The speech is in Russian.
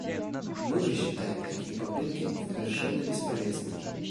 Мы же считаем такие попытки совершенно бесполезными.